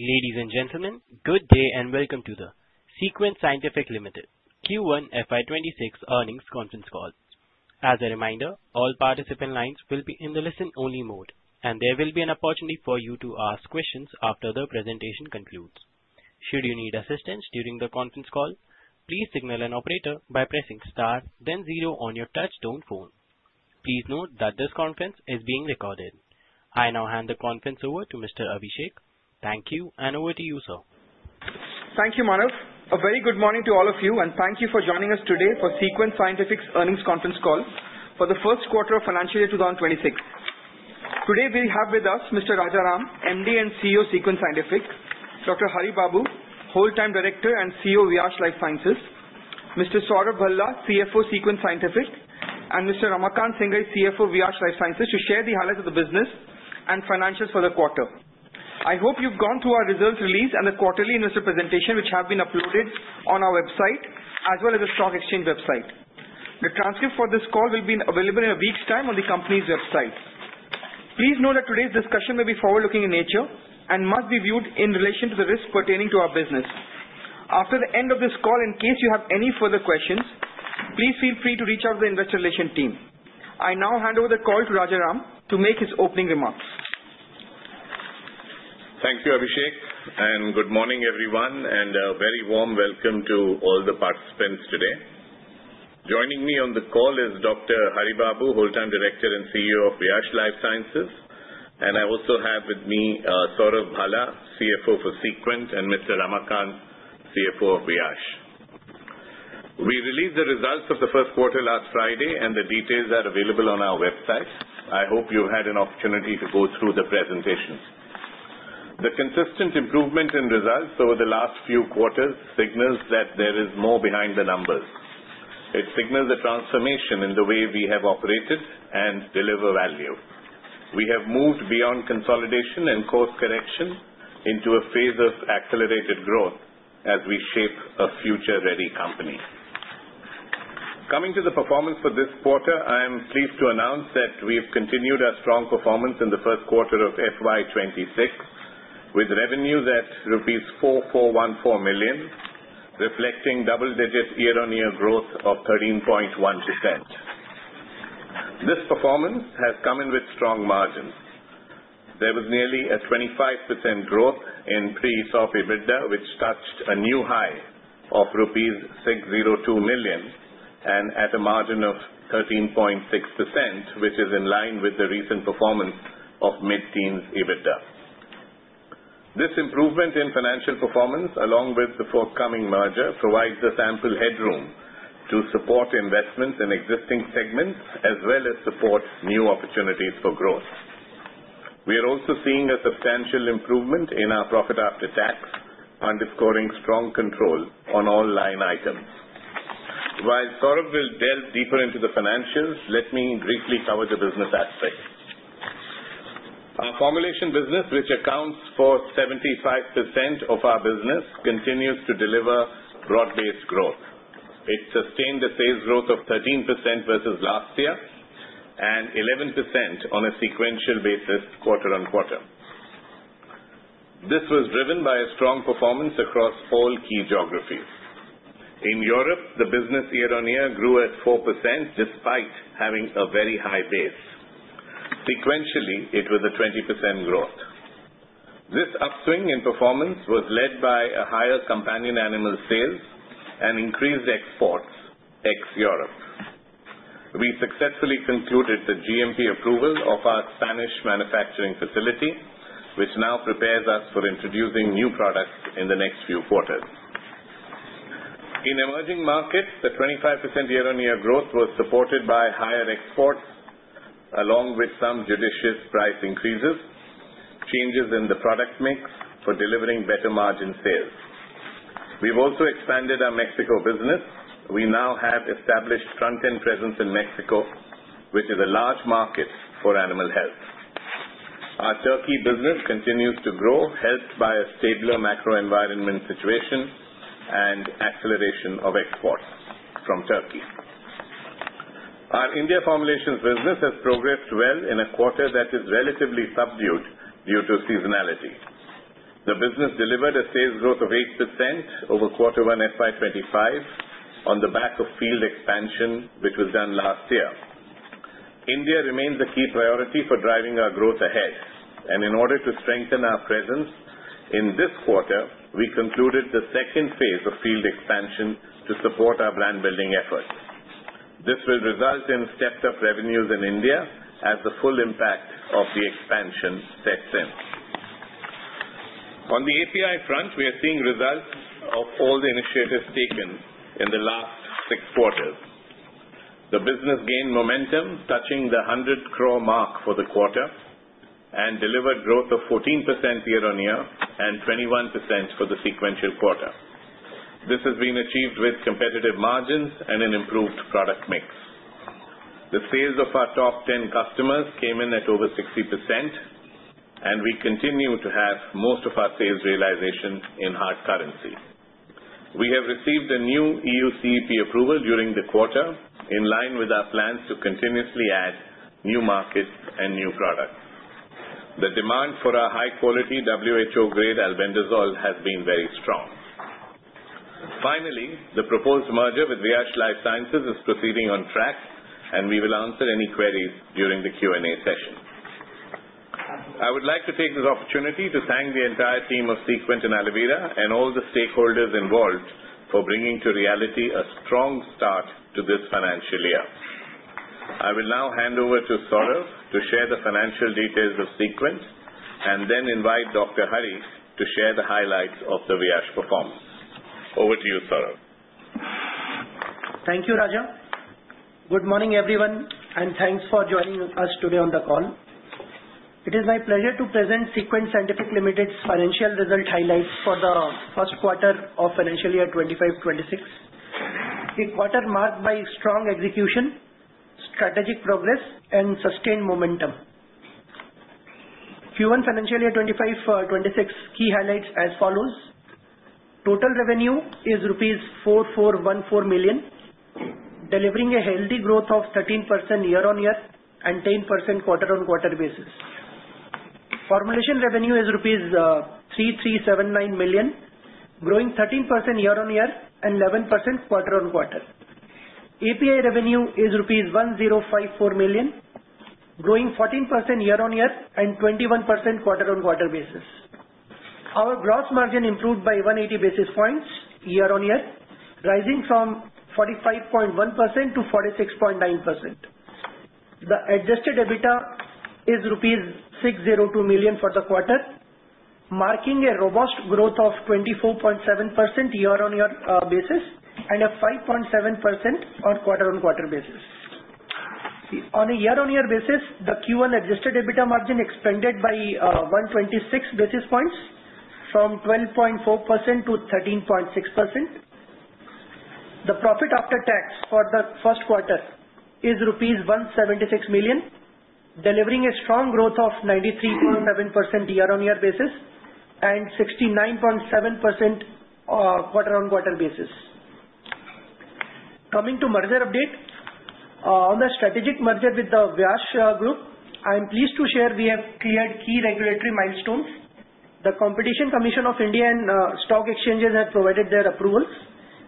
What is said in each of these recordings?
Ladies and gentlemen, good day and welcome to the Sequent Scientific Limited Q1 FY 2026 earnings conference call. As a reminder, all participant lines will be in the listen only mode, and there will be an opportunity for you to ask questions after the presentation concludes. Should you need assistance during the conference call, please signal an operator by pressing Star then zero on your touch-tone phone. Please note that this conference is being recorded. I now hand the conference over to Mr. Abhishek. Thank you, and over to you, sir. Thank you, Manav. A very good morning to all of you, and thank you for joining us today for Sequent Scientific's earnings conference call for the first quarter of financial year 2026. Today we have with us Mr. Rajaram, MD and CEO, Sequent Scientific, Dr. Haribabu, Whole-time Director and CEO, Viyash Life Sciences, Mr. Saurav Bhala, CFO, Sequent Scientific, and Mr. Ramakant Singani CFO, Viyash Life Sciences, to share the highlights of the business and financials for the quarter. I hope you've gone through our results release and the quarterly Investor Presentation, which have been uploaded on our website as well as the stock exchange website. The transcript for this call will be available in a week's time on the company's website. Please note that today's discussion may be forward-looking in nature and must be viewed in relation to the risks pertaining to our business. After the end of this call, in case you have any further questions, please feel free to reach out to the investor relation team. I now hand over the call to Rajaram to make his opening remarks. Thank you, Abhishek, and good morning, everyone, and a very warm welcome to all the participants today. Joining me on the call is Dr. Haribabu, Whole-time Director and CEO of Viyash Life Sciences. I also have with me Saurav Bhala, CFO for Sequent, and Mr. Ramakanth, CFO of Viyash. We released the results of the first quarter last Friday, and the details are available on our website. I hope you've had an opportunity to go through the presentations. The consistent improvement in results over the last few quarters signals that there is more behind the numbers. It signals a transformation in the way we have operated and deliver value. We have moved beyond consolidation and course correction into a phase of accelerated growth as we shape a future-ready company. Coming to the performance for this quarter, I am pleased to announce that we've continued our strong performance in the first quarter of FY 2026 with revenue at rupees 4,414 million, reflecting double-digit year-on-year growth of 13.1%. This performance has come in with strong margins. There was nearly a 25% growth in pre-ESOP EBITDA, which touched a new high of rupees 602 million and at a margin of 13.6%, which is in line with the recent performance of mid-teens EBITDA. This improvement in financial performance, along with the forthcoming merger, provides us ample headroom to support investments in existing segments as well as support new opportunities for growth. We are also seeing a substantial improvement in our profit after tax, underscoring strong control on all line items. While Saurav will delve deeper into the financials, let me briefly cover the business aspects. Our formulation business, which accounts for 75% of our business, continues to deliver broad-based growth. It sustained a sales growth of 13% versus last year and 11% on a sequential basis quarter-on-quarter. This was driven by a strong performance across all key geographies. In Europe, the business year-on-year grew at 4% despite having a very high base. Sequentially, it was a 20% growth. This upswing in performance was led by a higher companion animal sales and increased exports ex-Europe. We successfully concluded the GMP approval of our Spanish manufacturing facility, which now prepares us for introducing new products in the next few quarters. In emerging markets, the 25% year-on-year growth was supported by higher exports, along with some judicious price increases, changes in the product mix for delivering better margin sales. We've also expanded our Mexico business. We now have established front-end presence in Mexico, which is a large market for animal health. Our Turkey business continues to grow, helped by a stabler macro environment situation and acceleration of exports from Turkey. Our India formulations business has progressed well in a quarter that is relatively subdued due to seasonality. The business delivered a sales growth of 8% over quarter one FY 2025 on the back of field expansion, which was done last year. India remains a key priority for driving our growth ahead. In order to strengthen our presence, in this quarter, we concluded the second phase of field expansion to support our brand-building efforts. This will result in stepped-up revenues in India as the full impact of the expansion sets in. On the API front, we are seeing results of all the initiatives taken in the last six quarters. The business gained momentum, touching the 100 crore mark for the quarter and delivered growth of 14% year-on-year and 21% for the sequential quarter. This has been achieved with competitive margins and an improved product mix. The sales of our top 10 customers came in at over 60%, and we continue to have most of our sales realization in hard currency. We have received a new EU CEP approval during the quarter, in line with our plans to continuously add new markets and new products. The demand for our high-quality WHO grade albendazole has been very strong. The proposed merger with Viyash Life Sciences is proceeding on track, and we will answer any queries during the Q&A session. I would like to take this opportunity to thank the entire team of Sequent and Alivira and all the stakeholders involved for bringing to reality a strong start to this financial year. I will now hand over to Saurav to share the financial details of Sequent, and then invite Dr. Hari to share the highlights of the Viyash performance. Over to you, Saurav. Thank you, Raja. Good morning, everyone, and thanks for joining us today on the call. It is my pleasure to present Sequent Scientific Limited financial result highlights for the first quarter of financial year 2025-2026. A quarter marked by strong execution, strategic progress and sustained momentum. Q1 financial year 2025-2026 key highlights as follows. Total revenue is rupees 4,414 million, delivering a healthy growth of 13% year-on-year and 10% quarter-on-quarter basis. Formulation revenue is rupees 3,379 million, growing 13% year-on-year and 11% quarter-on-quarter. API revenue is rupees 1,054 million, growing 14% year-on-year and 21% quarter-on-quarter basis. Our gross margin improved by 180 basis points year-on-year, rising from 45.1%-46.9%. The adjusted EBITDA is rupees 602 million for the quarter, marking a robust growth of 24.7% year-on-year basis and a 5.7% on quarter-on-quarter basis. On a year-on-year basis, the Q1 adjusted EBITDA margin expanded by 126 basis points from 12.4%-13.6%. The profit after tax for the first quarter is rupees 176 million, delivering a strong growth of 93.7% year-on-year basis and 69.7% quarter-on-quarter basis. Coming to merger updates. On the strategic merger with the Viyash Group, I'm pleased to share we have cleared key regulatory milestones. The Competition Commission of India has provided their approvals,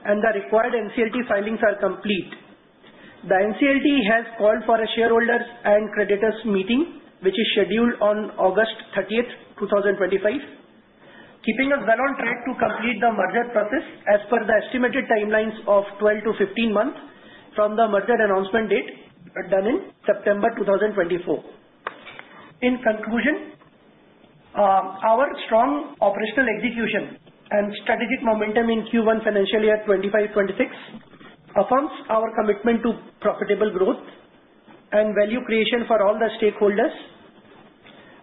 and the required NCLT filings are complete. The NCLT has called for a shareholders and creditors meeting, which is scheduled on August 30th, 2025. Keeping us well on track to complete the merger process as per the estimated timelines of 12 to 15 months from the merger announcement date done in September 2024. In conclusion, our strong operational execution and strategic momentum in Q1 financial year 2025-2026 affirms our commitment to profitable growth and value creation for all the stakeholders.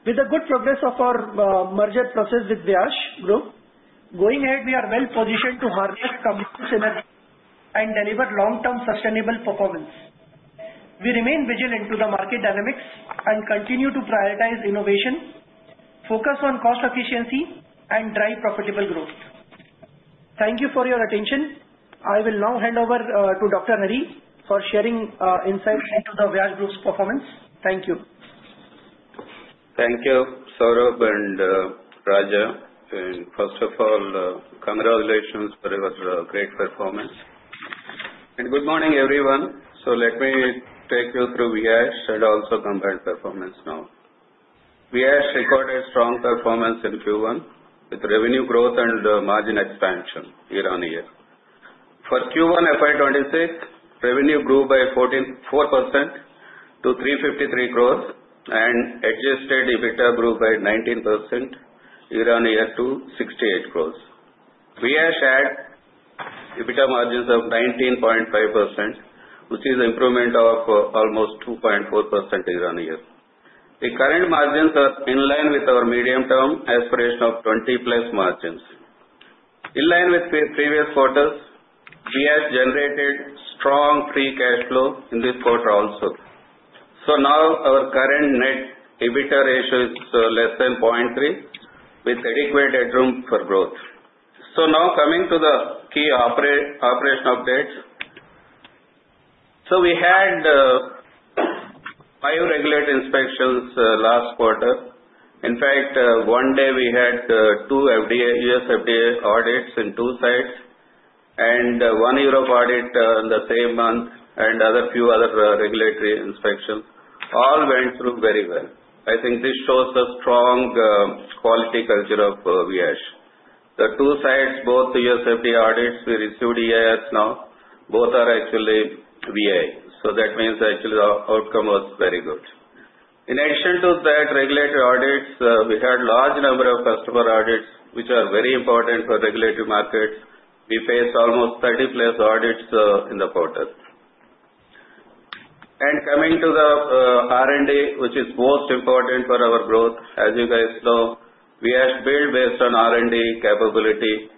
With the good progress of our merger process with Viyash Group, going ahead we are well-positioned to harvest synergies and deliver long-term sustainable performance. We remain vigilant to the market dynamics and continue to prioritize innovation, focus on cost efficiency, and drive profitable growth. Thank you for your attention. I will now hand over to Dr. Hari for sharing insights into the Viyash Group's performance. Thank you. Thank you, Saurav and Raja, first of all, congratulations for your great performance. Good morning, everyone. Let me take you through Viyash and also compare performance now. Viyash recorded strong performance in Q1 with revenue growth and margin expansion year-on-year. For Q1 FY 2026, revenue grew by 44% to 353 crores and adjusted EBITDA grew by 19% year-on-year to 68 crores. Viyash had EBITDA margins of 19.5%, which is improvement of almost 2.4% year-on-year. The current margins are in line with our medium-term aspiration of 20-plus margins. In line with the previous quarters, Viyash generated strong free cash flow in this quarter also. Now our current net EBITDA ratio is less than 0.3 with adequate room for growth. Now coming to the key operation updates. We had five regulatory inspections last quarter. In fact, one day we had two U.S. FDA audits in two sites and one Europe audit on the same month and a few other regulatory inspections. All went through very well. I think this shows the strong quality culture of Viyash. The two sites, both U.S. FDA audits we received EIR now, both are actually VAI. That means actually our outcome was very good. In addition to that, regulatory audits, we had large number of customer audits, which are very important for regulatory markets. We faced almost 30+ audits in the quarter. Coming to the R&D, which is most important for our growth. As you guys know, Viyash build based on R&D capability.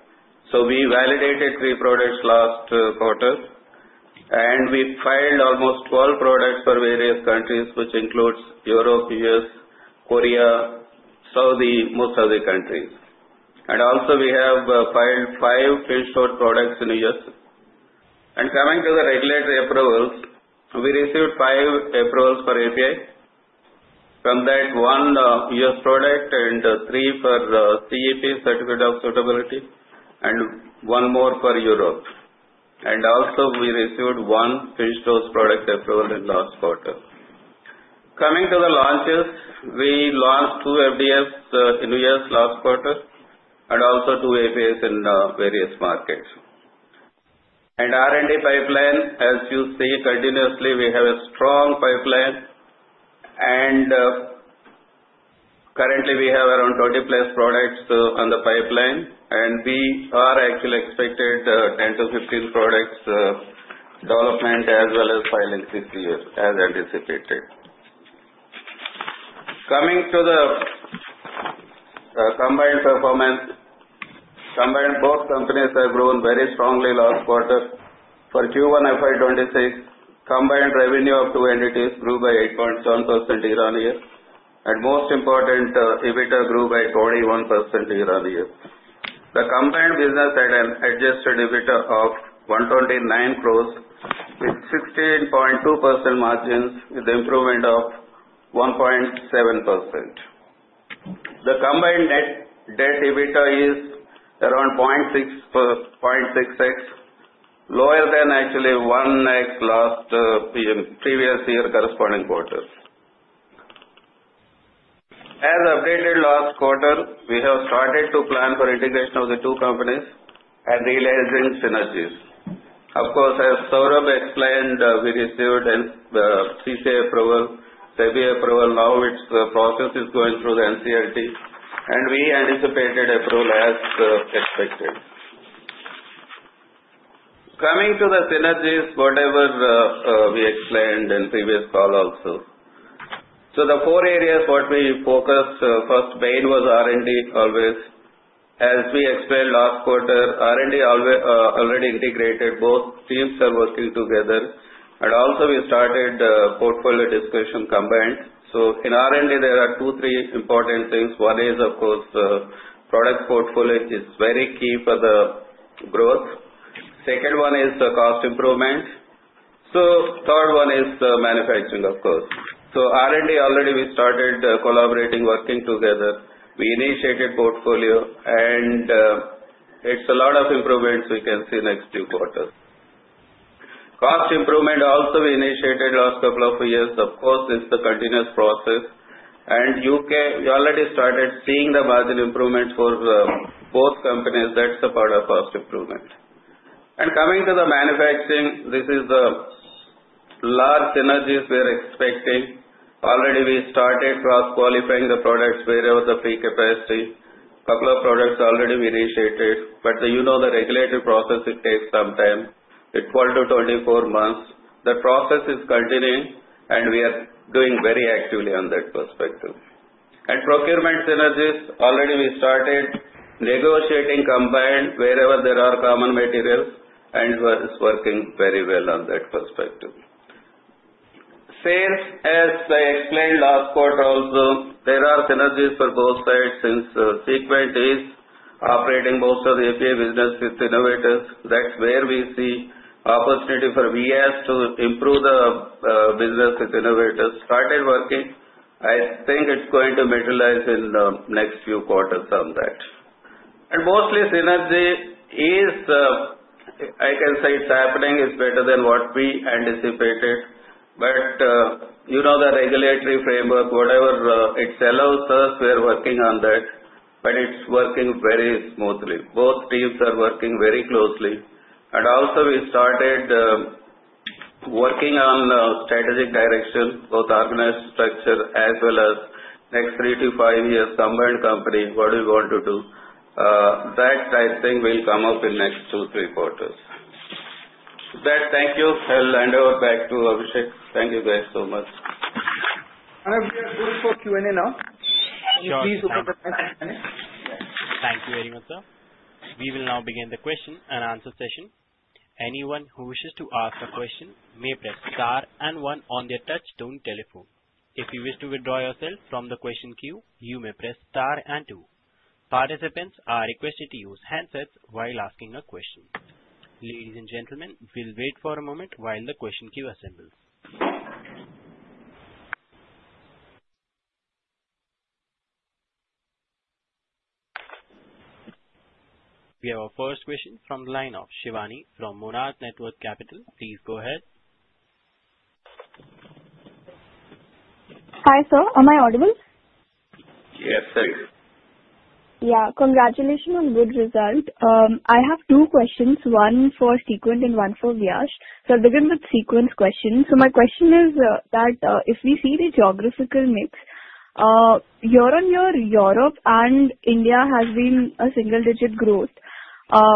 We validated three products last quarter, and we filed almost 12 products for various countries, which includes Europe, U.S., Korea, the most of the countries. Also we have five finished product in U.S. Coming to the regulatory approvals, we received five approvals for API. From that, one U.S. product and three for CEP, Certificate of Suitability, and one more for Europe. Also we received one finished product approval in last quarter. Coming to the launches, we launched two FDFs in U.S. last quarter, and also two APIs in various markets. R&D pipeline, as you see continuously, we have a strong pipeline. Currently we have around 30+ products on the pipeline, and we are actually expected 10 to 15 products development as well as filing this year as anticipated. Coming to the combined performance. Combined, both companies have grown very strongly last quarter. For Q1 FY 2026, combined revenue of two entities grew by 8.7% year-on-year, and most important, EBITDA grew by 41% year-on-year. The combined business had an adjusted EBITDA of 129 crore with 16.2% margins, with improvement of 1.7%. The combined net debt EBITDA is around 0.6x, lower than actually 1x last previous year corresponding quarter. As updated last quarter, we have started to plan for integration of the two companies and realizing synergies. Of course, as Saurav Bhala explained, we received the CCI approval, SEBI approval. Its process is going through the NCLT, we anticipated approval as expected. Coming to the synergies, whatever we explained in previous call also. The four areas what we focused, first main was R&D, always. As we explained last quarter, R&D already integrated. Both teams are working together. Also we started portfolio discussion combined. In R&D, there are two, three important things. One is, of course, product portfolio is very key for the growth. Second one is the cost improvement. Third one is the manufacturing, of course. R&D already we started collaborating, working together. We initiated portfolio and it's a lot of improvements we can see next few quarters. Cost improvement also we initiated last couple of years. Of course, it's a continuous process. You already started seeing the margin improvements for both companies. That's the part of cost improvement. Coming to the manufacturing, this is the large synergies we are expecting. Already we started cross-qualifying the products wherever the free capacity. Couple of products already we initiated, but you know the regulatory process, it takes some time, 12 to 24 months. The process is continuing, and we are doing very actively on that perspective. Procurement synergies, already we started negotiating combined wherever there are common materials, and it's working very well on that perspective. Sales, as I explained last quarter also, there are synergies for both sides since Sequent is operating most of the API business with Innovators. That's where we see opportunity for Viyash to improve the business with Innovators. Started working. I think it's going to materialize in the next few quarters on that. Mostly synergy is, I can say it's happening, it's better than what we anticipated. You know the regulatory framework, whatever it allows us, we are working on that, but it's working very smoothly. Both teams are working very closely. Also we started working on strategic direction, both organization structure as well as next three to five years combined company, what we want to do. That, I think, will come up in next two, three quarters. With that, thank you. I'll hand over back to Abhishek. Thank you guys so much. We are going for Q&A now. Sure. Please Thank you very much, sir. We will now begin the question and answer session. Anyone who wishes to ask a question may press star and one on their touchtone telephone. If you wish to withdraw yourself from the question queue, you may press star and two. Participants are requested to use handsets while asking a question. Ladies and gentlemen, we'll wait for a moment while the question queue assembles. We have our first question from the line of Shiwani Kumari from Monarch Networth Capital. Please go ahead. Hi, sir. Am I audible? Yes, thank you. Yeah. Congratulations on good result. I have two questions, one for Sequent and one for Viyash. I'll begin with Sequent's question. My question is that, if we see the geographical mix, year-on-year, Europe and India has been a single-digit growth,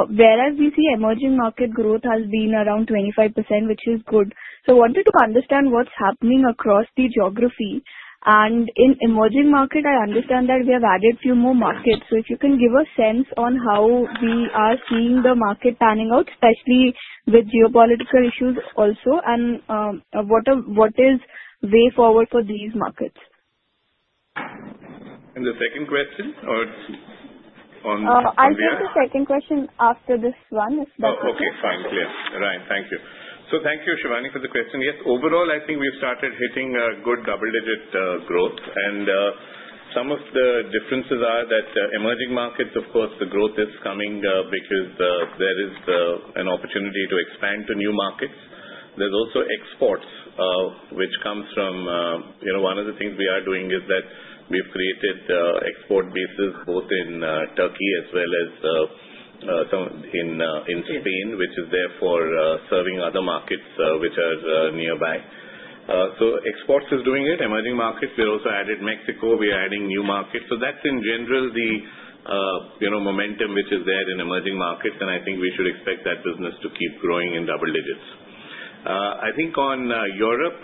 whereas we see emerging market growth has been around 25%, which is good. Wanted to understand what's happening across the geography. In emerging market, I understand that we have added few more markets. If you can give a sense on how we are seeing the market panning out, especially with geopolitical issues also, and what is way forward for these markets? The second question? On India? I'll take the second question after this one, if that's okay. Okay, fine. Clear. Right. Thank you. Thank you, Shiwani, for the question. Yes, overall, I think we've started hitting a good double-digit growth. Some of the differences are that emerging markets, of course, the growth is coming because there is an opportunity to expand to new markets. There's also exports. One of the things we are doing is that we've created export bases both in Turkey as well as some in Spain, which is therefore serving other markets which are nearby. Exports is doing it. Emerging markets, we also added Mexico, we are adding new markets. That's in general the momentum which is there in emerging markets, and I think we should expect that business to keep growing in double digits. I think on Europe,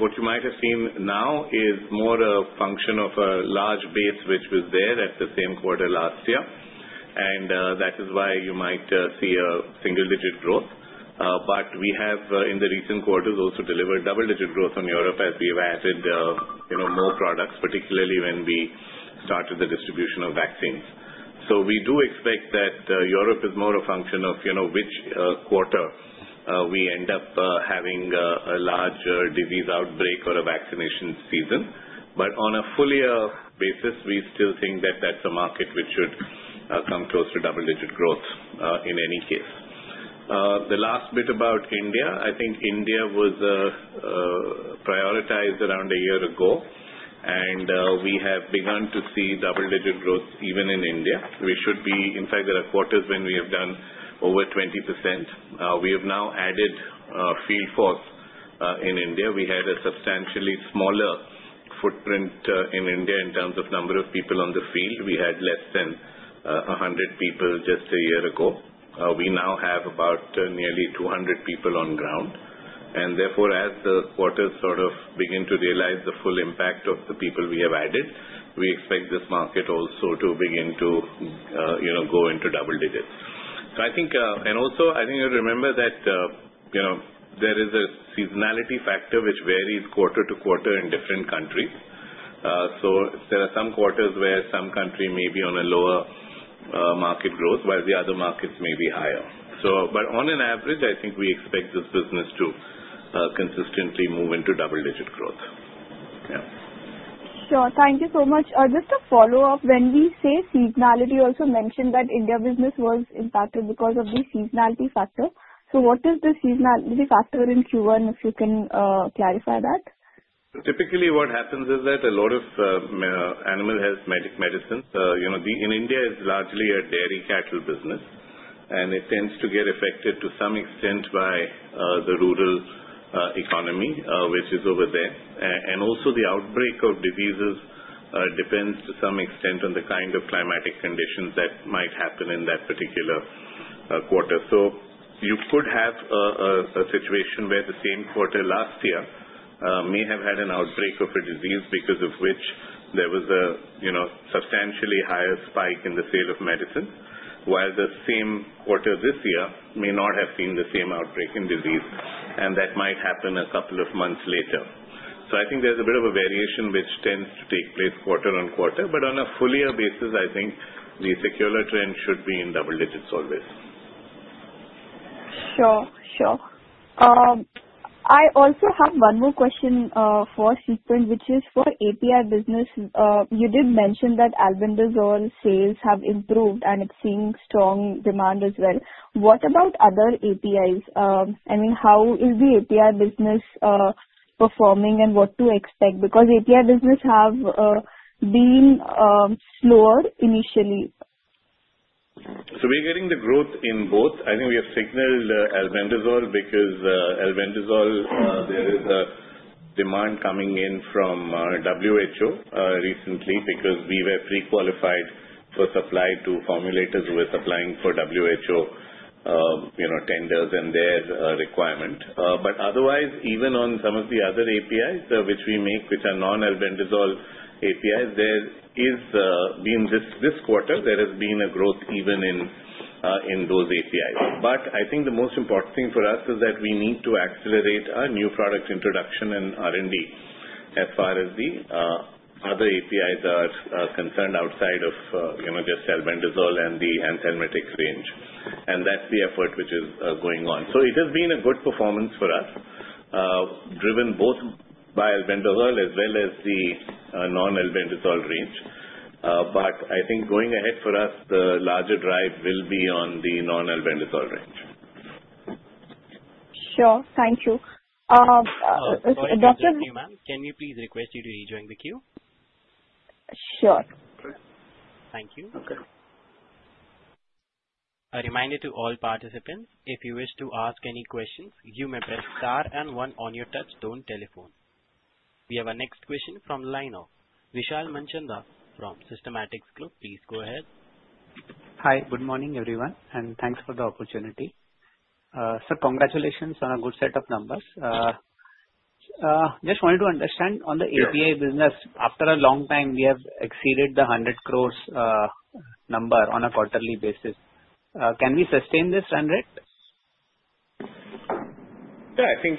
what you might have seen now is more a function of a large base which was there at the same quarter last year, and that is why you might see a single-digit growth. We have, in the recent quarters, also delivered double-digit growth on Europe as we've added more products, particularly when we started the distribution of vaccines. We do expect that Europe is more a function of which quarter we end up having a larger disease outbreak or a vaccination season. On a full year basis, we still think that that's a market which should come close to double-digit growth in any case. The last bit about India, I think India was prioritized around a year ago, and we have begun to see double-digit growth even in India. In fact, there are quarters when we have done over 20%. We have now added a field force in India. We had a substantially smaller footprint in India in terms of number of people on the field. We had less than 100 people just a year ago. We now have about nearly 200 people on ground, therefore, as the quarters sort of begin to realize the full impact of the people we have added, we expect this market also to begin to go into double digits. Also, I think you remember that there is a seasonality factor which varies quarter to quarter in different countries. There are some quarters where some country may be on a lower market growth, while the other markets may be higher. On an average, I think we expect this business to consistently move into double-digit growth. Yeah. Sure. Thank you so much. Just a follow-up. When we say seasonality, you also mentioned that India business was impacted because of the seasonality factor. What is the seasonality factor in Q1, if you can clarify that? Typically, what happens is that a lot of animal health medicines, in India, it's largely a dairy cattle business, and it tends to get affected to some extent by the rural economy, which is over there. Also the outbreak of diseases depends to some extent on the kind of climatic conditions that might happen in that particular quarter. You could have a situation where the same quarter last year may have had an outbreak of a disease because of which there was a substantially higher spike in the sale of medicine, while the same quarter this year may not have seen the same outbreak in disease, and that might happen a couple of months later. I think there's a bit of a variation which tends to take place quarter-on-quarter, but on a full year basis, I think the secular trend should be in double digits always. Sure. I also have one more question forSequent, which is for API business. You did mention that albendazole sales have improved, and it's seeing strong demand as well. What about other APIs? How is the API business performing, and what to expect? API business have been slower initially. We're getting the growth in both. I think we have signaled albendazole because albendazole, there is a demand coming in from WHO recently because we were pre-qualified for supply to formulators who were supplying for WHO tenders and their requirement. Otherwise, even on some of the other APIs which we make, which are non-albendazole APIs, in this quarter, there has been a growth even in those APIs. I think the most important thing for us is that we need to accelerate our new product introduction and R&D as far as the other APIs are concerned outside of just albendazole and the anthelmintics range. That's the effort which is going on. It has been a good performance for us, driven both by albendazole as well as the non-albendazole range. I think going ahead for us, the larger drive will be on the non-albendazole range. Sure. Thank you. Sorry to interrupt you, ma'am. Can we please request you to rejoin the queue? Sure. Thank you. Okay. We have our next question from line now. Vishal Manchanda from Systematix Group. Please go ahead. Hi. Good morning, everyone, and thanks for the opportunity. Sir, congratulations on a good set of numbers. Just wanted to understand on the API business, after a long time, we have exceeded the 100 crores number on a quarterly basis. Can we sustain this trend? Yeah, I think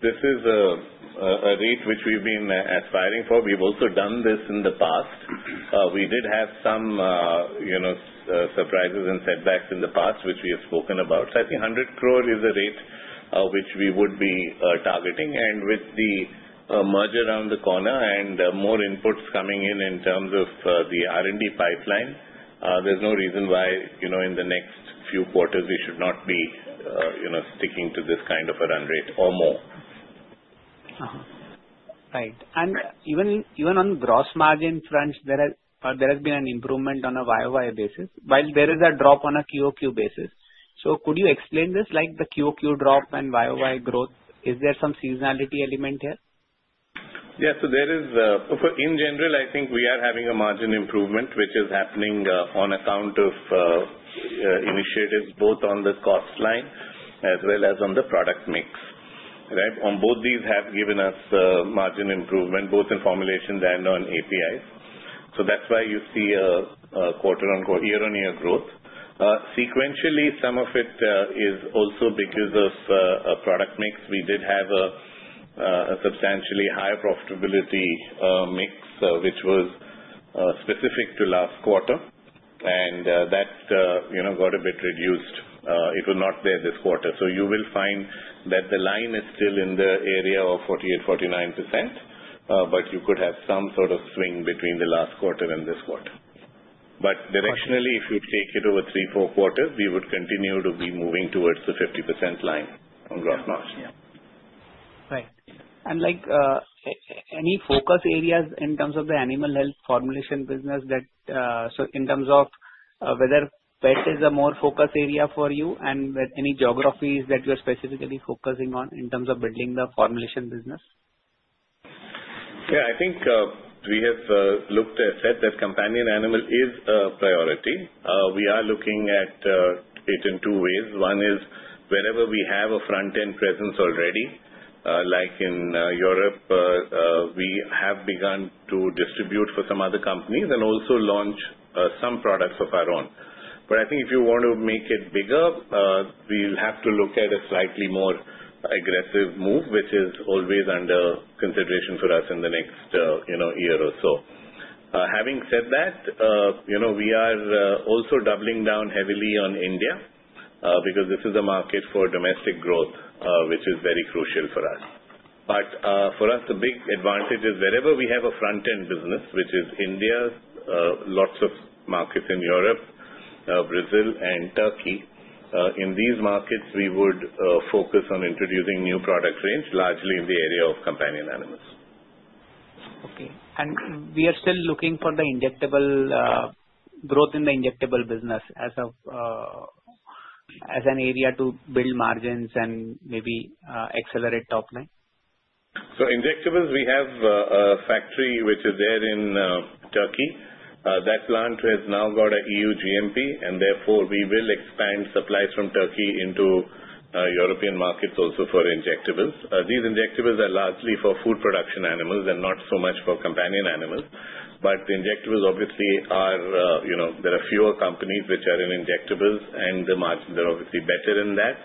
this is a rate which we've been aspiring for. We've also done this in the past. We did have some surprises and setbacks in the past, which we have spoken about. I think 100 crore is a rate which we would be targeting. With the merge around the corner and more inputs coming in in terms of the R&D pipeline, there's no reason why in the next few quarters we should not be sticking to this kind of a run rate or more. Right. Even on gross margin front, there has been an improvement on a year-over-year basis, while there is a drop on a quarter-over-quarter basis. Could you explain this, like the quarter-over-quarter drop and year-over-year growth? Is there some seasonality element here? In general, I think we are having a margin improvement, which is happening on account of initiatives both on the cost line as well as on the product mix. Right? On both, these have given us margin improvement, both in formulations and on APIs. That's why you see a year-on-year growth. Sequentially, some of it is also because of product mix. We did have a substantially higher profitability mix, which was specific to last quarter, and that got a bit reduced. It will not be there this quarter. You will find that the line is still in the area of 48%-49%. You could have some sort of swing between the last quarter and this quarter. Directionally, if you take it over three, four quarters, we would continue to be moving towards the 50% line on gross margin. Yeah. Right. Any focus areas in terms of the animal health formulation business, in terms of whether pet is a more focus area for you and any geographies that you're specifically focusing on in terms of building the formulation business? Yeah, I think we have looked at pet as companion animal is a priority. We are looking at it in two ways. One is wherever we have a front-end presence already, like in Europe, we have begun to distribute for some other companies and also launch some products of our own. I think if you want to make it bigger, we'll have to look at a slightly more aggressive move, which is always under consideration for us in the next year or so. Having said that, we are also doubling down heavily on India because this is a market for domestic growth, which is very crucial for us. For us, the big advantage is wherever we have a front-end business, which is India, lots of markets in Europe, Brazil and Turkey. In these markets, we would focus on introducing new product range, largely in the area of companion animals. Okay. We are still looking for the injectable growth in the injectable business as an area to build margins and maybe accelerate top line? Injectables, we have a factory which is there in Turkey. That plant has now got a EU GMP, and therefore we will expand supplies from Turkey into European markets also for injectables. These injectables are largely for food production animals and not so much for companion animals. The injectables, obviously, there are fewer companies which are in injectables, and the margins are obviously better in that.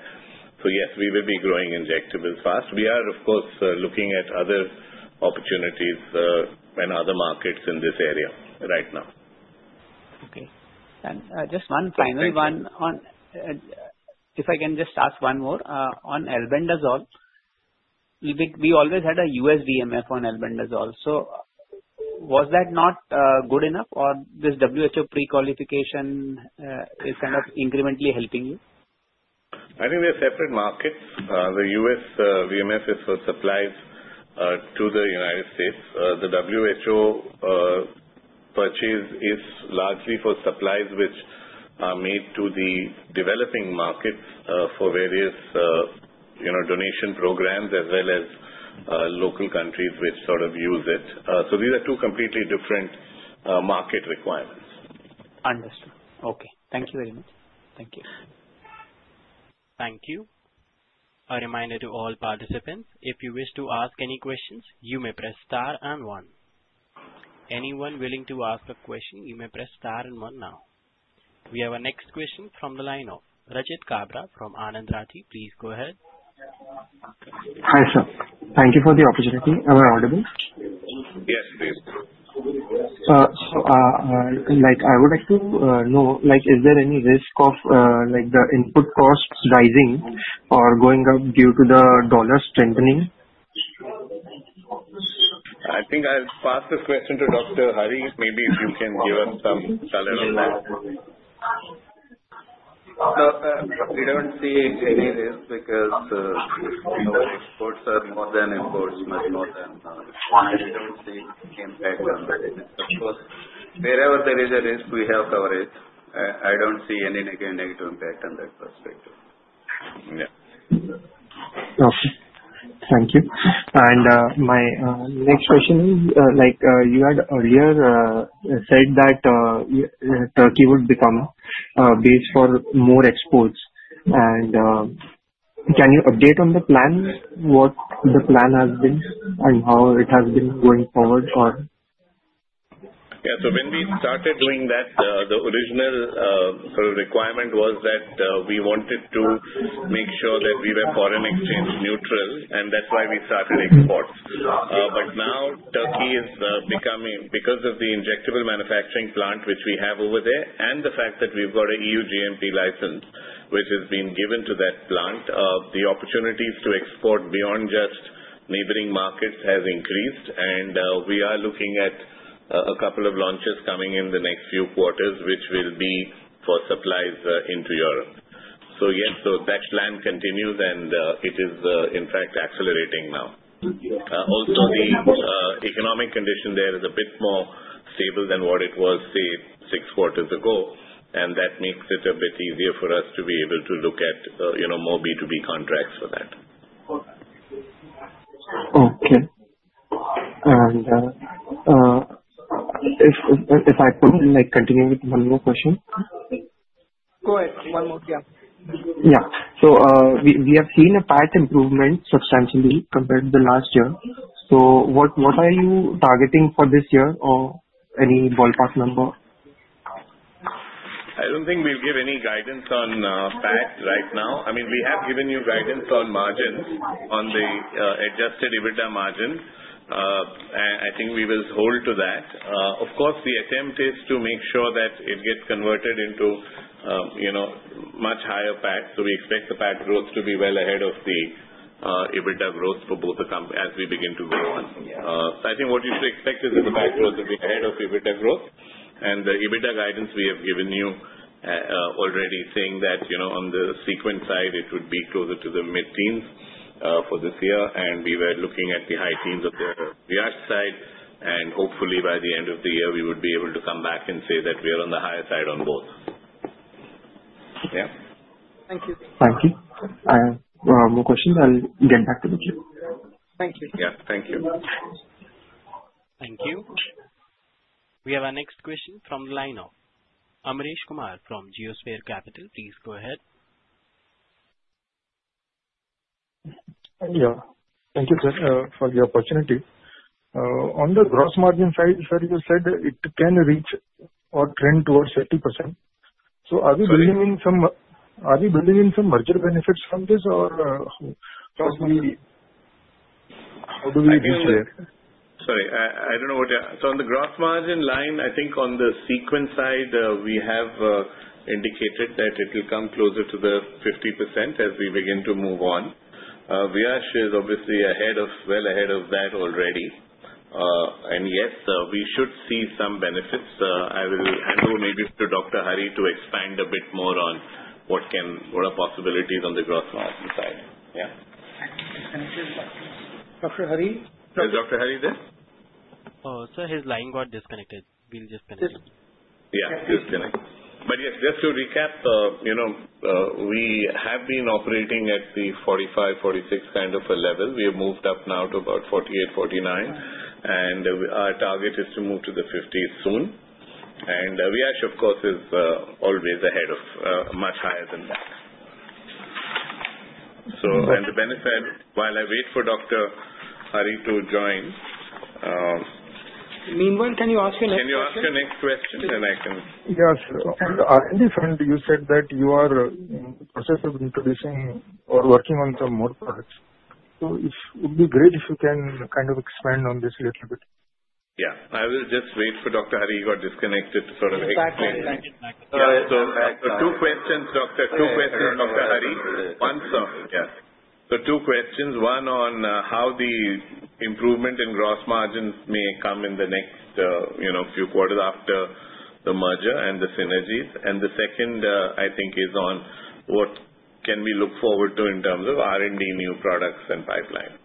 Yes, we will be growing injectables fast. We are, of course, looking at other opportunities and other markets in this area right now. Okay. Just one final one. If I can just ask one more on albendazole. We always had a U.S. VMF on albendazole. Was that not good enough, or this WHO prequalification is kind of incrementally helping you? I think they're separate markets. The U.S. VMF is for supplies to the United States. The WHO purchase is largely for supplies which are made to the developing markets for various donation programs as well as local countries which sort of use it. These are two completely different market requirements. Understood. Okay. Thank you very much. Thank you. Thank you. A reminder to all participants, if you wish to ask any questions, you may press star and one. Anyone willing to ask a question, you may press star and one now. We have our next question from the line of Rachit Kabra from Anand Rathi. Please go ahead. Hi, sir. Thank you for the opportunity. Am I audible? Yes, please. I would like to know, is there any risk of the input costs rising or going up due to the dollar strengthening? I think I'll pass this question to Dr. Hari. Maybe you can give us some color on that. No, sir, we don't see any risk because our exports are more than imports, you must note them. I don't see any impact on that. Of course, wherever there is a risk, we have covered. I don't see any negative impact on that perspective. Yeah. Okay. Thank you. My next question is, you had earlier said that Turkey would become a base for more exports. Can you update on the plan? What the plan has been and how it has been going forward? Yeah. When we started doing that, the original requirement was that we wanted to make sure that we were foreign exchange neutral, and that's why we started exports. Now Turkey, because of the injectable manufacturing plant which we have over there, and the fact that we’ve got an EU GMP license, which has been given to that plant, the opportunities to export beyond just neighboring markets has increased. We are looking at a couple of launches coming in the next few quarters, which will be for supplies into Europe. Yes, that plan continues and it is in fact accelerating now. Also, the economic condition there is a bit more stable than what it was, say, six quarters ago, and that makes it a bit easier for us to be able to look at more B2B contracts for that. Okay. If I could continue with one more question. Go ahead. One more. Yeah. We have seen a PAT improvement substantially compared to the last year. What are you targeting for this year, or any ballpark number? I don't think we'll give any guidance on PAT right now. We have given you guidance on margins on the adjusted EBITDA margin. I think we will hold to that. Of course, the attempt is to make sure that it gets converted into much higher PAT, so we expect the PAT growth to be well ahead of the EBITDA growth for both the companies as we begin to move on. I think what you should expect is that the PAT growth will be ahead of EBITDA growth. The EBITDA guidance we have given you already saying that, on the Sequent side, it would be closer to the mid-teens for this year, and we were looking at the high teens of the Viyash side. Hopefully by the end of the year, we would be able to come back and say that we are on the higher side on both. Yeah. Thank you. Thank you. I have no more questions. I'll get back to you. Thank you. Yeah. Thank you. Thank you. We have our next question from the line of Amresh Kumar from Geosphere Capital. Please go ahead. Yeah. Thank you, sir, for the opportunity. On the gross margin side, sir, you said it can reach or trend towards 30%. Are we building in some merger benefits from this or how do we read it? On the gross margin line, I think on the Sequent side, we have indicated that it will come closer to the 50% as we begin to move on. Viyash is obviously well ahead of that already. Yes, we should see some benefits. I will hand over maybe to Dr. Hari to expand a bit more on what are possibilities on the gross margin side. I think disconnected. Dr. Hari? Is Dr. Hari there? Sir, his line got disconnected. We'll just connect him. Yeah, disconnected. Yes, just to recap, we have been operating at the 45, 46 kind of a level. We have moved up now to about 48, 49, Our target is to move to the 50s soon. Viyash, of course, is always ahead of, much higher than that. The benefit, while I wait for Dr. Hari to join- Meanwhile, can you ask your next question? Can you ask your next question, then I can. Yes. On R&D front, you said that you are in the process of introducing or working on some more products. It would be great if you can expand on this a little bit. Yeah. I will just wait for Dr. Hari, who got disconnected, to explain. He's back on the line. Yeah. Two questions, Dr. Hari. Two questions, one on how the improvement in gross margins may come in the next few quarters after the merger and the synergies. The second, I think, is on what can we look forward to in terms of R&D, new products, and pipeline.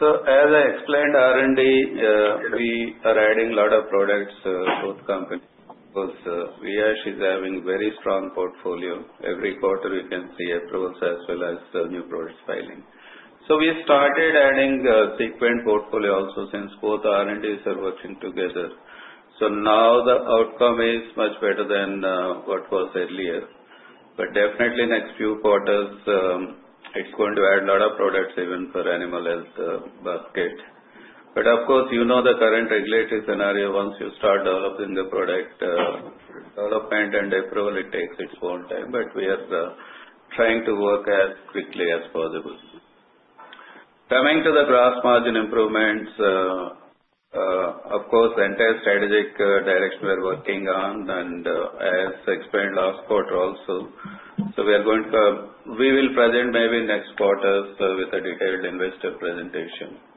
As I explained, R&D, we are adding a lot of products, both companies, because Viyash is having very strong portfolio. Every quarter, you can see approvals as well as new product filing. We started adding Sequent portfolio also since both R&Ds are working together. Now the outcome is much better than what was earlier. Definitely next few quarters, it's going to add a lot of products even for animal health basket. Of course, you know the current regulatory scenario. Once you start developing the product, development and approval, it takes its own time. We are trying to work as quickly as possible. Coming to the gross margin improvements, of course, the entire strategic direction we are working on, and as explained last quarter also. We will present maybe next quarter with a detailed investor presentation.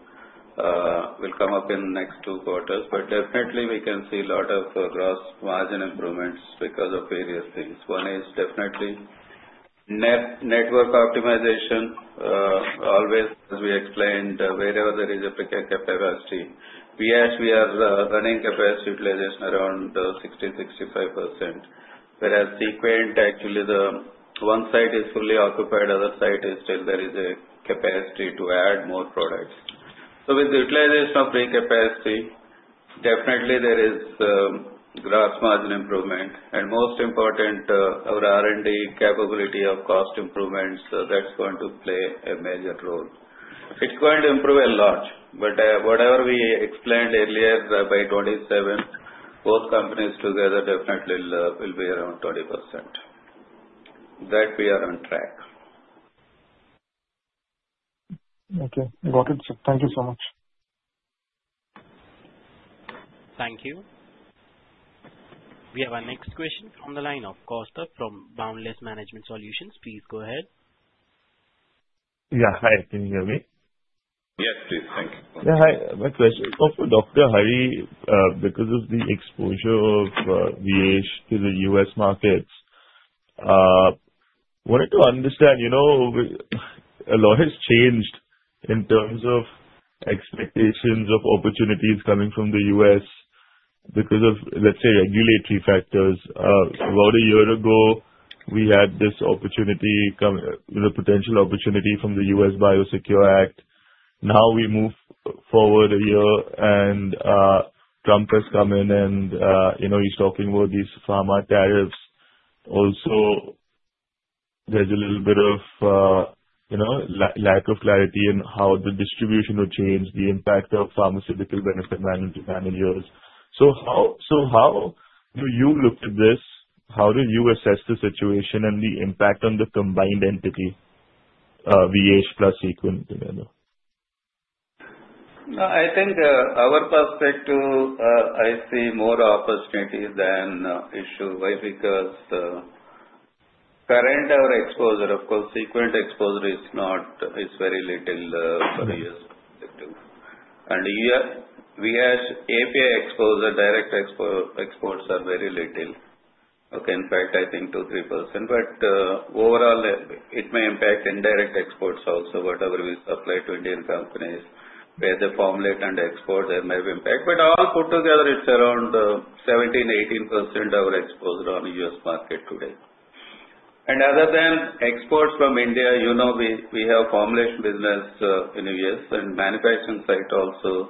It will come up in next two quarters. Definitely we can see lot of gross margin improvements because of various things. One is definitely network optimization. Always, as we explained, wherever there is a capacity. Viyash, we have running capacity utilization around 60%-65%. Whereas Sequent, actually the one site is fully occupied, other site is still there is a capacity to add more products. With utilization of free capacity, definitely there is gross margin improvement, and most important, our R&D capability of cost improvements, that's going to play a major role. It's going to improve a lot. Whatever we explained earlier, by 2027, both companies together definitely will be around 20%. That we are on track. Okay, got it, sir. Thank you so much. Thank you. We have our next question on the line of Kaustubh Pawaskar from Boundless Management Solutions. Please go ahead. Yeah. Hi, can you hear me? Yes, please. Thank you. Yeah. Hi. My question is for Dr. Hari. Because of the exposure of Viyash to the U.S. markets, I wanted to understand. A lot has changed in terms of expectations of opportunities coming from the U.S. because of, let's say, regulatory factors. About a year ago, we had this potential opportunity from the U.S. BIOSECURE Act. We move forward a year and Trump has come in and he's talking about these pharma tariffs. There's a little bit of lack of clarity in how the distribution will change, the impact of pharmaceutical benefit managers. How do you look to this? How do you assess the situation and the impact on the combined entity, Viyash plus Sequent together? I think our perspective, I see more opportunities than issue. Why? Current, our exposure, of course, Sequent exposure is very little for U.S. Here, Viyash API exposure, direct exports are very little, okay? In fact, I think 2%, 3%. Overall, it may impact indirect exports also, whatever we supply to Indian companies, where they formulate and export, there may be impact. All put together, it's around 17%, 18% our exposure on U.S. market today. Other than exports from India, we have formulation business in the U.S., and manufacturing site also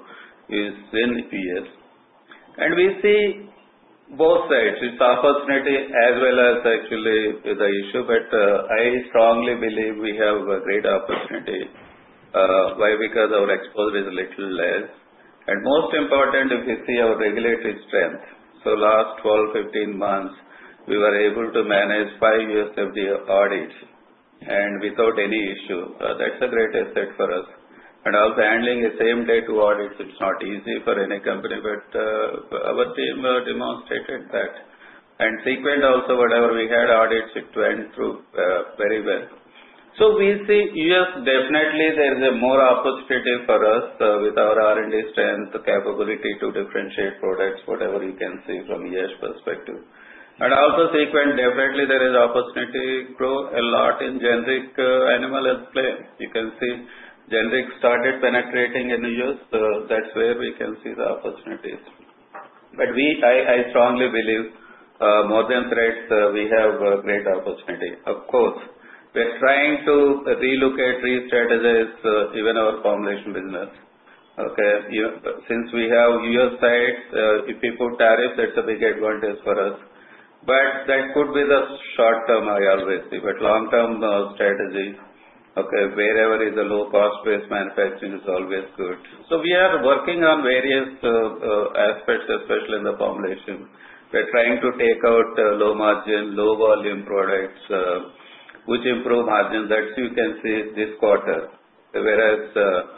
is in the U.S. We see both sides. It's opportunity as well as actually the issue. I strongly believe we have a great opportunity. Why? Our exposure is a little less. Most important, if you see our regulatory strength. Last 12, 15 months, we were able to manage five U.S. FDA audits without any issue. That's a great asset for us. Also handling a same-day two audits, it's not easy for any company, but our team demonstrated that. Sequent also, whatever we had audits, it went through very well. We see U.S., definitely there is a more opportunity for us with our R&D strength, the capability to differentiate products, whatever you can see from Viyash perspective. Also Sequent, definitely there is opportunity to grow a lot in generic animal health play. You can see generics started penetrating in the U.S., so that's where we can see the opportunities. I strongly believe, more than threats, we have a great opportunity. Of course, we're trying to relook at, re-strategize even our formulation business, okay? Since we have U.S. sites, if we put tariffs, that's a big advantage for us. That could be the short term, I always say. Long-term strategy, okay, wherever is a low-cost-based manufacturing is always good. We are working on various aspects, especially in the formulation. We're trying to take out low-margin, low-volume products, which improve margin. That you can see this quarter. Whereas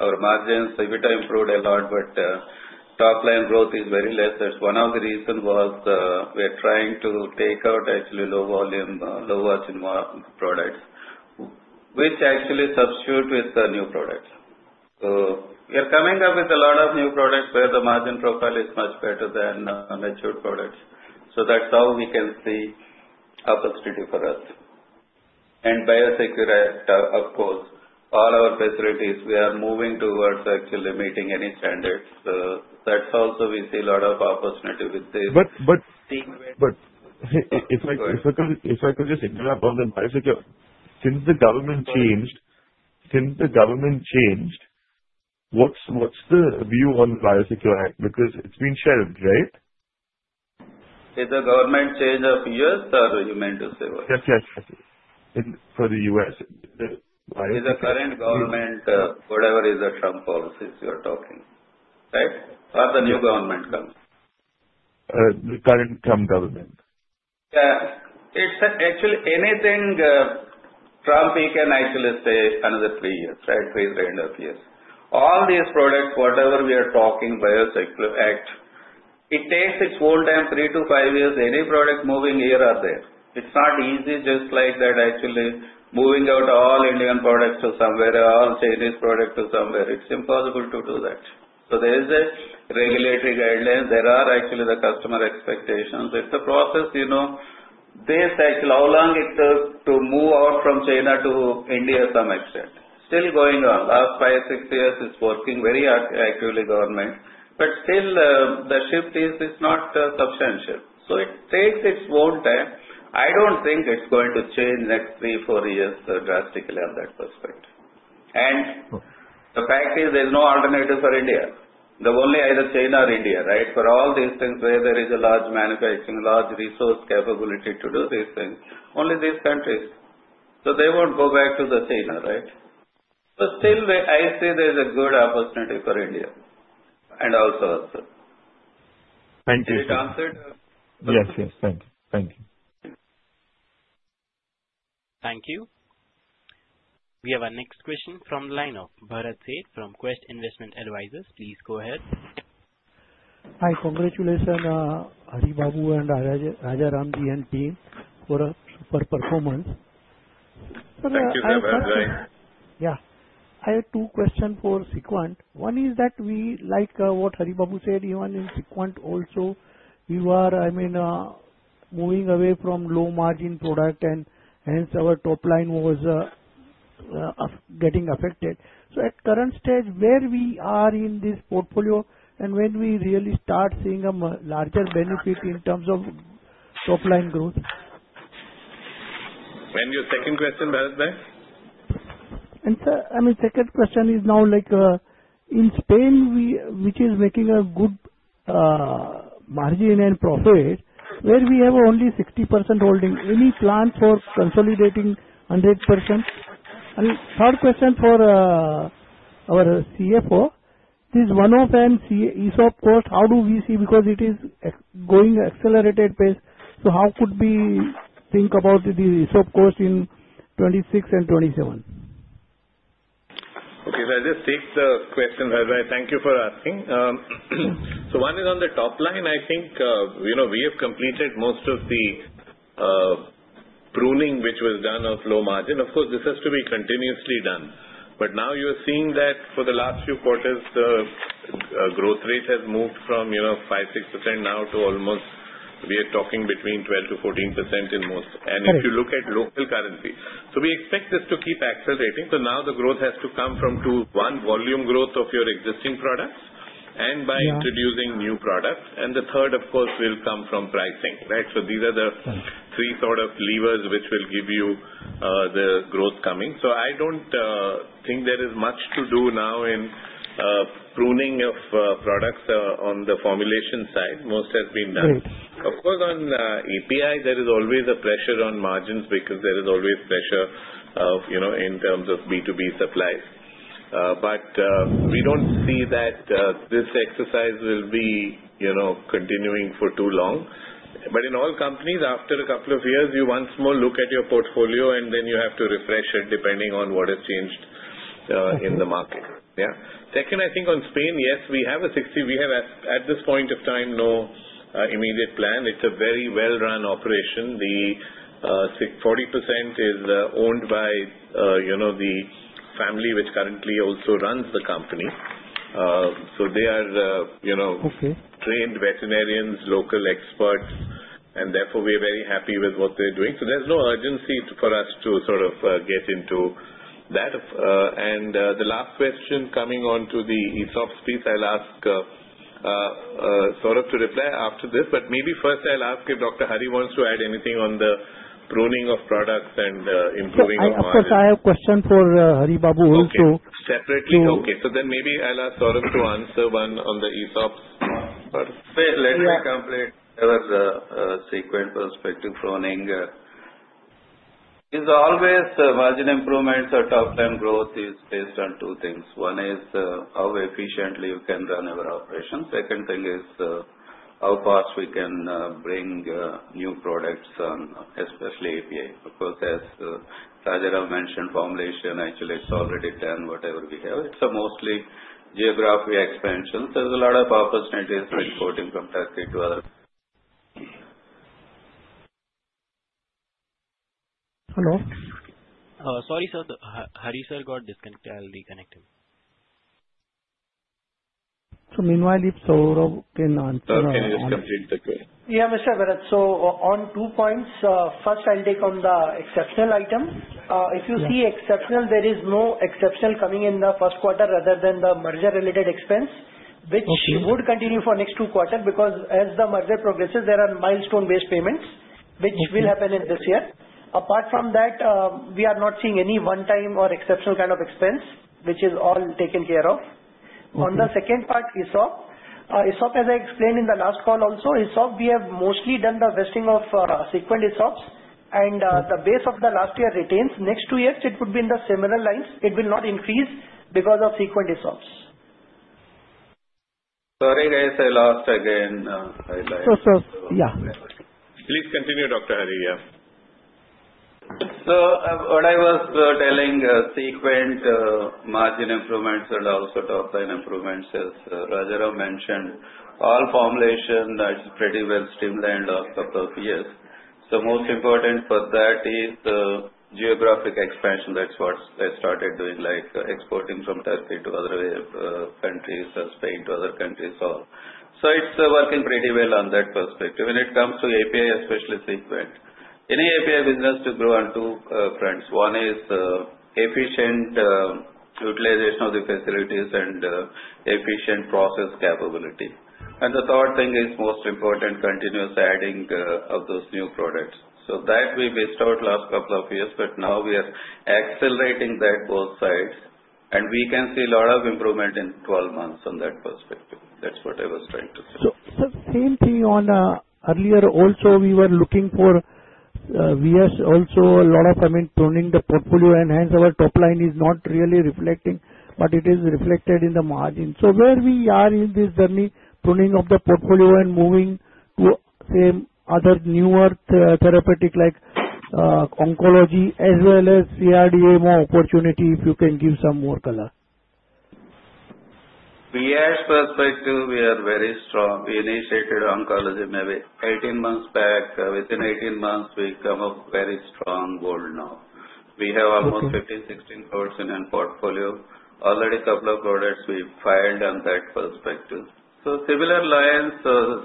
our margins, EBITDA improved a lot, but top line growth is very less. That's one of the reason was we are trying to take out actually low volume, low-margin products, which actually substitute with the new products. We are coming up with a lot of new products where the margin profile is much better than mature products. That's how we can see opportunity for us. BIOSECURE Act, of course, all our facilities, we are moving towards actually meeting any standards. That also we see a lot of opportunity. But- Sequent. Go ahead If I could just interrupt on the BIOSECURE. Since the government changed, what's the view on BIOSECURE Act? It's been shelved, right? Is the government change of U.S. or you meant to say what? Yes, yes. For the U.S. The BIOSECURE. Is the current government, whatever is the Trump policies you are talking, right? Or the new government coming? The current Trump government. Yeah. Actually, anything Trump, he can actually say another three years, right? Till the end of years. All these products, whatever we are talking, BIOSECURE Act, it takes its own time, three to five years, any product moving here or there. It's not easy just like that actually moving out all Indian products to somewhere or all Chinese product to somewhere. It's impossible to do that. There is a regulatory guidelines. There are actually the customer expectations. It's a process. How long it took to move out from China to India, some extent. Still going on. Last five, six years it's working very actively, government. Still, the shift is not substantial. It takes its own time. I don't think it's going to change next three, four years drastically on that perspective. The fact is there's no alternative for India. There's only either China or India, right? For all these things where there is a large manufacturing, large resource capability to do these things, only these countries. They won't go back to China, right? Still, I say there's a good opportunity for India and also us, sir. Thank you, sir. Does it answer the question? Yes. Thank you. Thank you. We have our next question from the line of Bharat Sheth from Quest Investment Advisors. Please go ahead. Hi. Congratulations, Haribabu and Rajaram ji and team for a super performance. Thank you, Bharat. Yeah. I have two questions for Sequent. One is that we like what Haribabu said, even in Sequent also, you are moving away from low-margin product and hence our top line was getting affected. At current stage, where we are in this portfolio, and when we really start seeing a larger benefit in terms of top-line growth? Your second question, Bharat? Sir, second question is now, in Spain which is making a good margin and profit, where we have only 60% holding, any plan for consolidating 100%? Third question for our CFO. This one-off and ESOP cost, how do we see? Because it is going at accelerated pace, so how could we think about the ESOP cost in 2026 and 2027? Okay. I'll just take the questions, Bharat. Thank you for asking. One is on the top line. I think we have completed most of the pruning which was done of low margin. Of course, this has to be continuously done. Now you're seeing that for the last few quarters, the growth rate has moved from 5%, 6% now to almost we are talking between 12%-14% in most. If you look at local currency. We expect this to keep accelerating. Now the growth has to come from two. One, volume growth of your existing products and by introducing new products. The third, of course, will come from pricing, right? These are the three levers which will give you the growth coming. I don't think there is much to do now in pruning of products on the formulation side. Most has been done. Of course, on API, there is always a pressure on margins because there is always pressure in terms of B2B supplies. We don't see that this exercise will be continuing for too long. In all companies, after a couple of years, you once more look at your portfolio, and then you have to refresh it depending on what has changed in the market. Second, I think on Spain, yes, we have a 60%. We have, at this point of time, no immediate plan. It's a very well-run operation. The 40% is owned by the family, which currently also runs the company. They are trained veterinarians, local experts, and therefore we are very happy with what they're doing. There's no urgency for us to get into that. The last question, coming onto the ESOP piece, I'll ask Saurav to reply after this. Maybe first I'll ask if Dr. Hari wants to add anything on the pruning of products and improving. Of course, I have question for Haribabu also. Okay. Separately? Okay. Maybe I'll ask Saurav to answer one on the ESOPs first. Let me complete our Sequent perspective pruning. It's always margin improvements or top-line growth is based on two things. One is how efficiently we can run our operations. Second thing is how fast we can bring new products on, especially API. Of course, as Rajaram mentioned, formulation actually is already done, whatever we have. It's a mostly geography expansion. There's a lot of opportunities with exporting from Turkey to other. Hello? Sorry, sir. Hari, sir, got disconnected. I'll reconnect him. Meanwhile, if Saurav can answer. Can I just complete that? Yeah, Mr. Bharat. On two points. First, I'll take on the exceptional item. If you see exceptional, there is no exceptional coming in the first quarter other than the merger-related expense, which would continue for next two quarter, because as the merger progresses, there are milestone-based payments which will happen in this year. Apart from that, we are not seeing any one-time or exceptional kind of expense, which is all taken care of. On the second part, ESOP. ESOP, as I explained in the last call also, ESOP, we have mostly done the vesting of Sequent ESOPs and the base of the last year retains. Next two years, it would be in the similar lines. It will not increase because of Sequent ESOPs. Sorry, guys, I lost again. Yeah. Please continue, Dr. Hari. What I was telling, Sequent margin improvements and also top-line improvements, as Rajaram mentioned. All formulation that's pretty well streamlined last couple of years. Most important for that is the geographic expansion. That's what I started doing, like exporting from Turkey to other countries and Spain to other countries. It's working pretty well on that perspective. When it comes to API, especially Sequent. Any API business, you grow on two fronts. One is efficient utilization of the facilities and efficient process capability. The third thing is most important, continuous adding of those new products. That we missed out last couple of years, but now we are accelerating that both sides. We can see a lot of improvement in 12 months from that perspective. That's what I was trying to say. Same thing on earlier also, we were looking for Viyash also a lot of pruning the portfolio, and hence our top line is not really reflecting, but it is reflected in the margin. Where we are in this journey, pruning of the portfolio and moving to same other newer therapeutic like oncology as well as CRDM opportunity, if you can give some more color? Viyash perspective, we are very strong. We initiated oncology maybe 18 months back. Within 18 months, we've come up very strong world now. We have almost 15, 16 products in our portfolio. Already couple of products we filed on that perspective. Similar lines,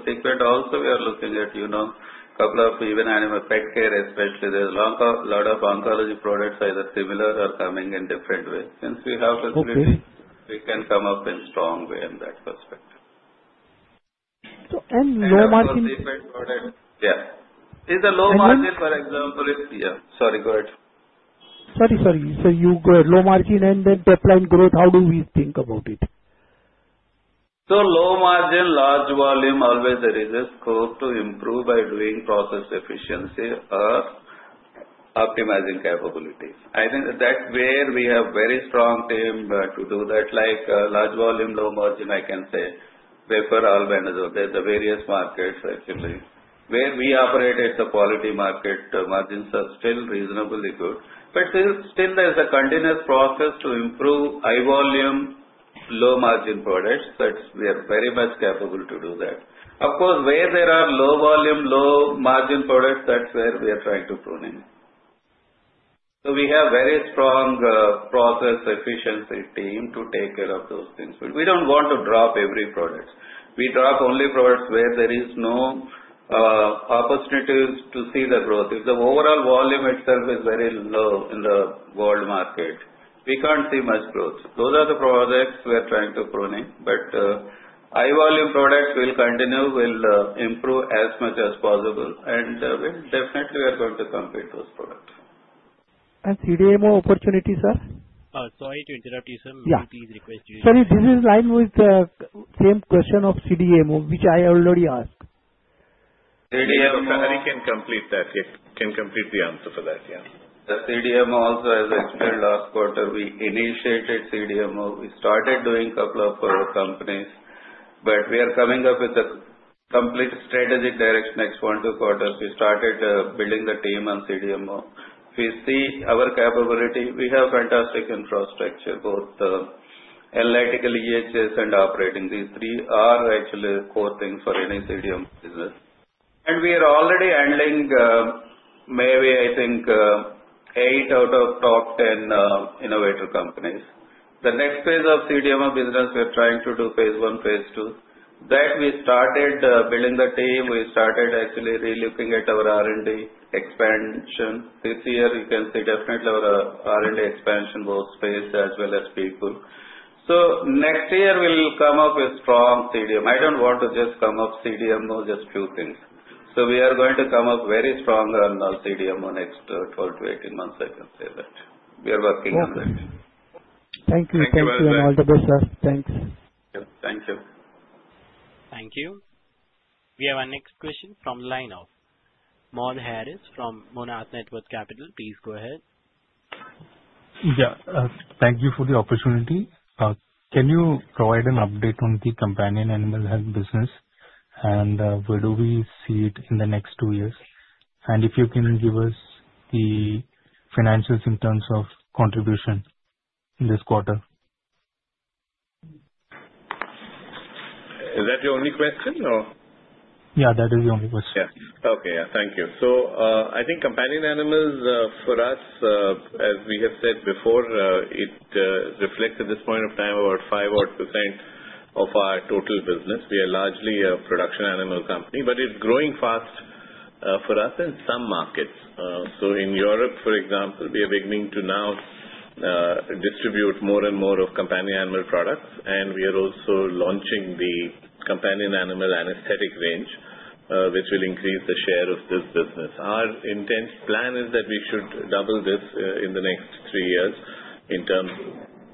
Sequent also we are looking at, couple of even animal pet care, especially. There's lot of oncology products either similar or coming in different ways. Since we have the- Okay capability, we can come up in strong way in that perspective. and low margin. Yeah. It's a low margin. Yeah, sorry. Go ahead. Sorry. You go low margin and then top line growth. How do we think about it? Low margin, large volume, always there is a scope to improve by doing process efficiency or optimizing capabilities. I think that's where we have very strong team to do that, like large volume, low margin, I can say. Paper, all kinds. There's the various markets actually. Where we operate as a quality market, margins are still reasonably good. Still, there's a continuous process to improve high volume, low margin products. That we are very much capable to do that. Of course, where there are low volume, low margin products, that's where we are trying to prune in. We have very strong process efficiency team to take care of those things. We don't want to drop every product. We drop only products where there is no opportunities to see the growth. If the overall volume itself is very low in the world market, we can't see much growth. Those are the products we are trying to pruning. High volume products will continue, will improve as much as possible, and definitely we are going to complete those products. CDMO opportunity, sir? Sorry to interrupt you, sir. Yeah. We please request you. Sorry, this is line with the same question of CDMO, which I already asked. CDMO- Haribabu can complete that. He can complete the answer for that. Yeah. The CDMO also, as I explained last quarter, we initiated CDMO. We started doing couple of our companies, but we are coming up with a complete strategic direction next one, two quarters. We started building the team on CDMO. We see our capability. We have fantastic infrastructure, both analytical, EHS, and operating. These three are actually core things for any CDMO business. We are already handling maybe I think eight out of top 10 innovator companies. The next phase of CDMO business, we're trying to do phase I, phase II. That we started building the team. We started actually re-looking at our R&D expansion. This year you can see definitely our R&D expansion, both space as well as people. Next year we'll come up with strong CDMO. I don't want to just come up CDMO, just few things. We are going to come up very strong on our CDMO next 12 to 18 months, I can say that. We are working on that. Thank you. Thank you. All the best, sir. Thanks. Yep. Thank you. Thank you. We have our next question from line of Mohd Haris from Monarch Networth Capital. Please go ahead. Yeah. Thank you for the opportunity. Can you provide an update on the companion animal health business, and where do we see it in the next two years? If you can give us the financials in terms of contribution in this quarter. Is that your only question or? Yeah, that is the only question. Yeah. Okay. Thank you. I think companion animals for us, as we have said before, it reflects at this point of time about 5-odd percent of our total business. We are largely a production animal company. It's growing fast for us in some markets. In Europe, for example, we are beginning to now distribute more and more of companion animal products, and we are also launching the companion animal anesthetic range, which will increase the share of this business. Our intent plan is that we should double this in the next three years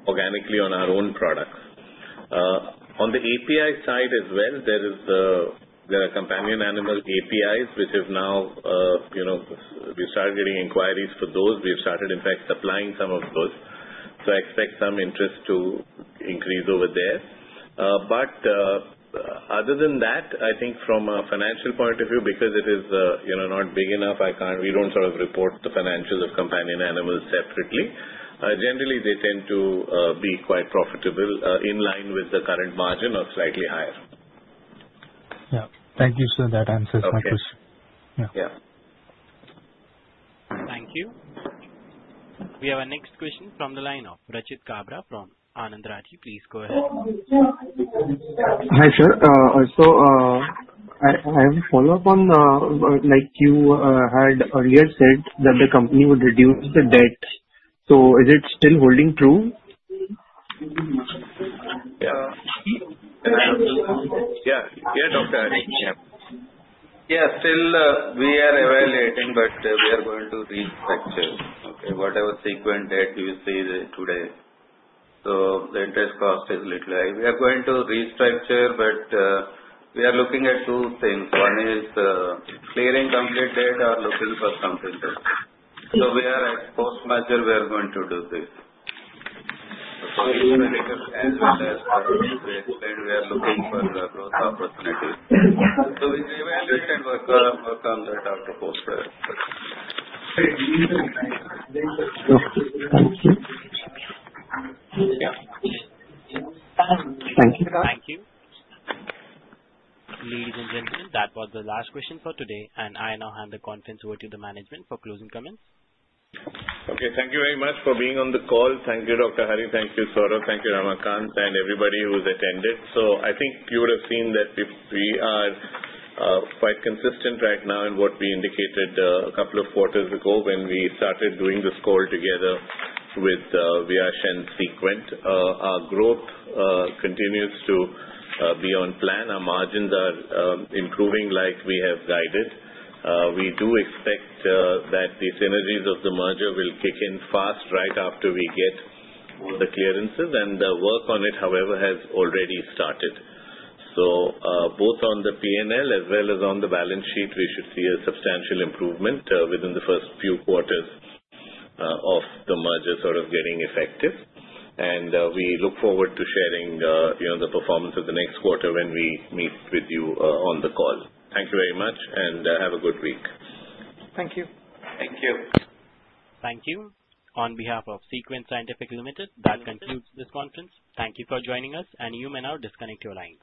organically on our own products. On the API side as well, there are companion animal APIs, which is now we started getting inquiries for those. We've started, in fact, supplying some of those. I expect some interest to increase over there. Other than that, I think from a financial point of view, because it is not big enough, we don't sort of report the financials of companion animals separately. Generally, they tend to be quite profitable, in line with the current margin or slightly higher. Yeah. Thank you, sir. That answers my question. Okay. Yeah. Yeah. Thank you. We have our next question from the line of Rachit Kabra from Anand Rathi. Please go ahead. Hi, sir. I have a follow-up on, like you had earlier said that the company would reduce the debt. Is it still holding true? Yeah. Yeah. Yeah, Doctor Hari. Yeah, still we are evaluating, but we are going to restructure, okay, whatever Sequent debt you see today. The interest cost is little high. We are going to restructure, but we are looking at two things. One is clearing complete debt or looking for some promoter. We are at post-merger, we are going to do this. We are looking for growth opportunities. We may evaluate and work on that after post-merger. Okay. Thank you. Yeah. Thank you. Thank you. Ladies and gentlemen, that was the last question for today. I now hand the conference over to the management for closing comments. Thank you very much for being on the call. Thank you, Dr. Hari. Thank you, Saurav Bhala. Thank you, Ramakanth Singani, and everybody who's attended. I think you would've seen that we are quite consistent right now in what we indicated a couple of quarters ago when we started doing this call together with Viyash and Sequent. Our growth continues to be on plan. Our margins are improving like we have guided. We do expect that the synergies of the merger will kick in fast right after we get the clearances. The work on it, however, has already started. Both on the P&L as well as on the balance sheet, we should see a substantial improvement within the first few quarters of the merger sort of getting effective. We look forward to sharing the performance of the next quarter when we meet with you on the call. Thank you very much and have a good week. Thank you. Thank you. Thank you. On behalf of Sequent Scientific Limited, that concludes this conference. Thank you for joining us, and you may now disconnect your lines.